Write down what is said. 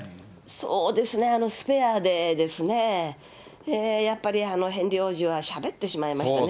そうですね、スペアでですね、やっぱりヘンリー王子はしゃべってしまいましたね。